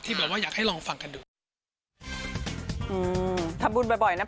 ที่แบบว่าอยากให้ลองฟังกันดู